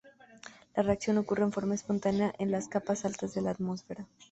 La reacción ocurre en forma espontánea en las capas altas de la atmósfera.